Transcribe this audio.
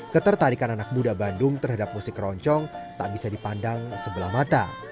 ketertarikan anak muda bandung terhadap musik keroncong tak bisa dipandang sebelah mata